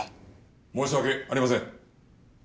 申し訳ありません。